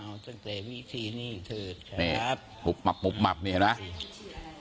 เอาตั้งแต่วิธีนี้เถิดครับปุ๊บหมับปุ๊บหมับนี่เห็นไหม